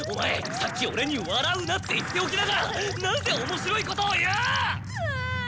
さっきオレにわらうなって言っておきながらなぜおもしろいことを言う！？わわわ。